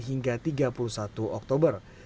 hingga tiga puluh satu oktober